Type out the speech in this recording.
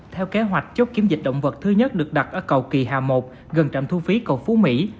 theo kế hoạch chốt kiểm dịch động vật thứ nhất được đặt ở cầu kỳ hà một gần trạm thu phí cầu phú mỹ